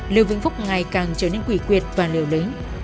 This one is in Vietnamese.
lưu vĩnh phúc ngày càng trở nên quỷ quyệt và liều lĩnh